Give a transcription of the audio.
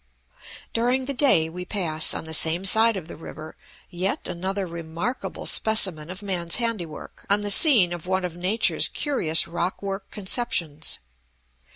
During the day we pass, on the same side of the river, yet another remarkable specimen of man's handiwork on the scene of one of nature's curious rockwork conceptions.